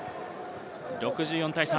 ６４対３。